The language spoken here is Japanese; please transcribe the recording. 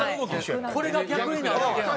これが逆になるだけなんや。